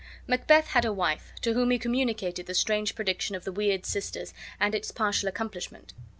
Macbeth had a wife, to whom he communicated the strange prediction of the weird sisters and its partial accomplishment.